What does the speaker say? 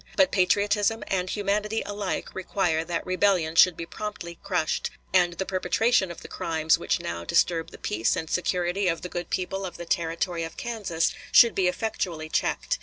But patriotism and humanity alike require that rebellion should be promptly crushed, and the perpetration of the crimes which now disturb the peace and security of the good people of the Territory of Kansas should be effectually checked.